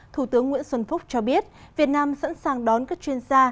thủ tướng nguyễn xuân phúc cho biết việt nam sẵn sàng đón các chuyên gia